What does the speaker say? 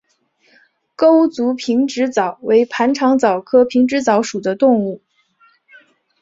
钩足平直蚤为盘肠蚤科平直蚤属的动物。